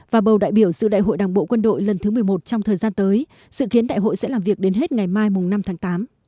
và bầu đại biểu sự đại hội đảng bộ quân đội lần thứ một mươi một trong thời gian tới sự kiến đại hội sẽ làm việc đến hết ngày mai năm tháng tám